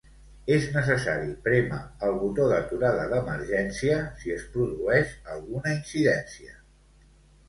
És necessari prémer el botó d'aturada d'emergència si es produeix alguna incidència.